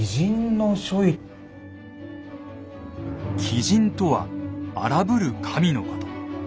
「鬼神」とは荒ぶる神のこと。